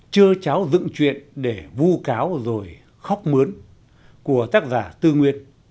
chưa cháo dựng chuyện để vu cáo rồi khóc mướn của tác giả tư nguyên